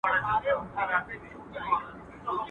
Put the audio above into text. په يوه ځين کي دوې کوني نه ځائېږي.